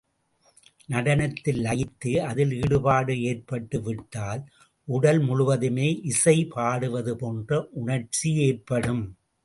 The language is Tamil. நடனத்தில் லயித்து, அதில் ஈடுபாடு ஏற்பட்டுவிட்டால், உடல் முழுவதுமே இசை பாடுவது போன்ற உணர்ச்சி ஏற்படும்.